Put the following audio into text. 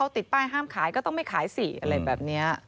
ติดป้ายห้ามขายก็ต้องไม่ขายสิอะไรแบบนี้